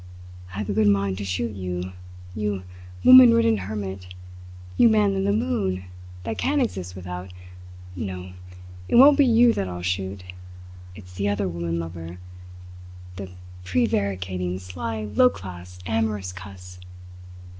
"I have a good mind to shoot you, you woman ridden hermit, you man in the moon, that can't exist without no, it won't be you that I'll shoot. It's the other woman lover the prevaricating, sly, low class, amorous cuss!